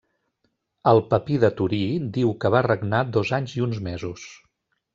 El papir de Torí diu que va regnar dos anys i uns mesos.